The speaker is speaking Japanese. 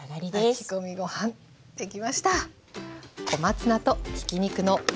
炊き込みご飯出来ました！